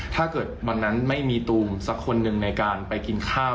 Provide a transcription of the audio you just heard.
ถ้าเกิดวันนั้นไม่มีตูมสักคนหนึ่งในการไปกินข้าว